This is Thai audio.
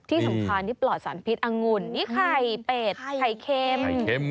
ที่สำคัญนี่ปลอดสารพิษอังุนไก่เกม